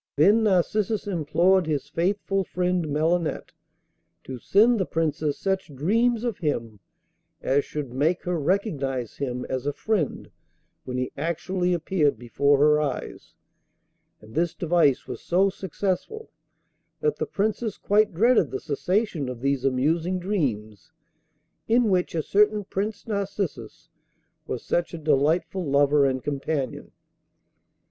Then Narcissus implored his faithful friend Melinette to send the Princess such dreams of him as should make her recognise him as a friend when he actually appeared before her eyes; and this device was so successful that the Princess quite dreaded the cessation of these amusing dreams, in which a certain Prince Narcissus was such a delightful lover and companion.